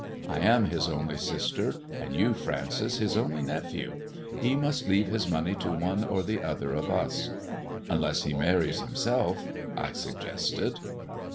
" I am his only sister, and you, Francis, his only nephew ; he must leave his money to one or the other of us." " Unless he marries himself," I suggested.